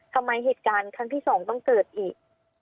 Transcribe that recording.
เหตุการณ์ครั้งที่สองต้องเกิดอีก